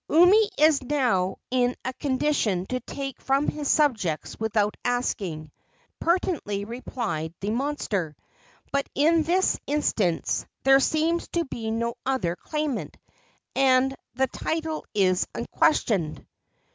"Umi is now in a condition to take from his subjects without asking," pertinently replied the monster; "but in this instance there seems to be no other claimant, and the title is unquestioned."